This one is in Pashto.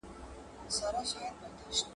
نظرونه دي زر وي خو بیرغ باید یو وي `